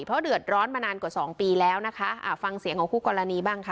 เพราะเดือดร้อนมานานกว่าสองปีแล้วนะคะอ่าฟังเสียงของคู่กรณีบ้างค่ะ